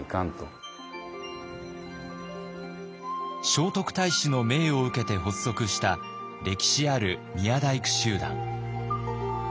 聖徳太子の命を受けて発足した歴史ある宮大工集団。